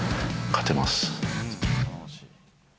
勝てます。